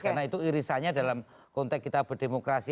karena itu irisannya dalam konteks kita berdemokrasi